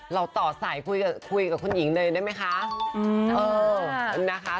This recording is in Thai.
ต่อสายคุยกับคุณหญิงเลยได้ไหมคะ